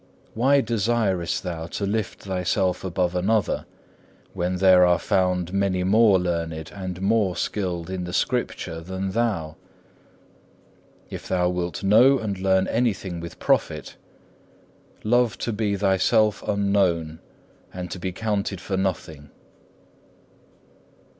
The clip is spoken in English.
Why desirest thou to lift thyself above another, when there are found many more learned and more skilled in the Scripture than thou? If thou wilt know and learn anything with profit, love to be thyself unknown and to be counted for nothing.